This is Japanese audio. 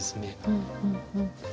うんうんうん。